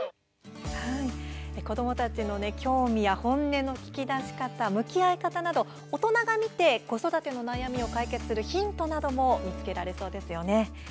子どもたちの興味や本音の聞き出し方向き合い方など大人が見て、子育ての悩みを解決するヒントなども見つけられそうですよね。